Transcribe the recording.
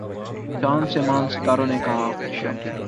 چاند سے ماند ستاروں نے کہا آخر شب